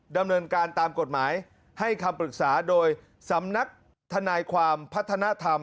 ดำเนินการตามกฎหมายให้คำปรึกษาโดยสำนักทนายความพัฒนธรรม